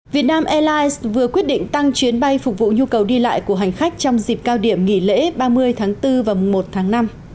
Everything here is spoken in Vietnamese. việt nam airlines vừa quyết định tăng chuyến bay phục vụ nhu cầu đi lại của hành khách trong dịp cao điểm nghỉ lễ ba mươi tháng bốn và một tháng năm